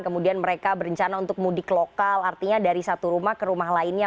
kemudian mereka berencana untuk mudik lokal artinya dari satu rumah ke rumah lainnya